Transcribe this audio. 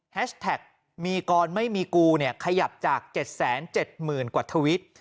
แท็กมีกรไม่มีกูเนี่ยขยับจาก๗๗๐๐๐กว่าทวิต